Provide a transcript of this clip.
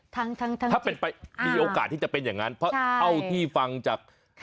ทั้งถ้าเป็นไปมีโอกาสที่จะเป็นอย่างนั้นเพราะเท่าที่ฟังจาก